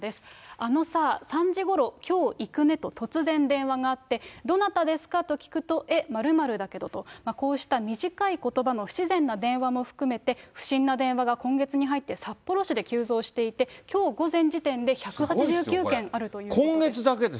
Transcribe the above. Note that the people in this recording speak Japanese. あのさー、３時ごろ、きょう行くねと突然電話があって、どなたですか？と聞くと、え、○○だけどと。こうした短いことばの不自然な電話も含めて、不審な電話が今月に入って札幌市で急増していて、きょう午前時点で、１８９件あるということです。